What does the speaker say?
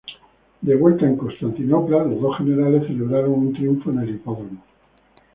De vuelta en Constantinopla, los dos generales celebraron un triunfo en el hipódromo.